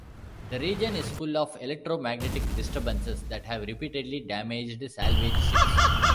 The region is full of electro-magnetic disturbances that have repeatedly damaged salvage ships.